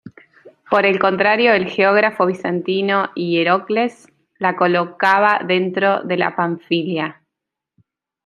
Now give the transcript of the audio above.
Por el contrario el geógrafo bizantino Hierocles la colocaba dentro de la Panfilia.